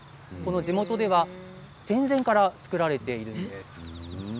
地元では戦前から作られているんです。